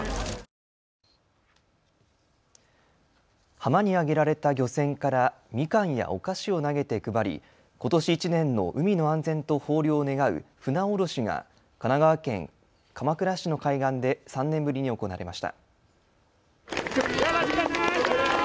浜に上げられた漁船からみかんやお菓子を投げて配りことし１年の海の安全と豊漁を願う船おろしが神奈川県鎌倉市の海岸で３年ぶりに行われました。